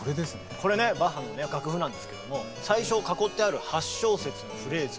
これねバッハの楽譜なんですけども最初囲ってある８小節のフレーズ